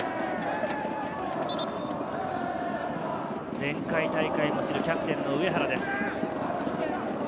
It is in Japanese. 前回大会を知る、キャプテンの上原です。